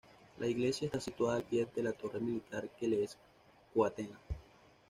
La iglesia está situada al pie de la torre militar que le es coetánea.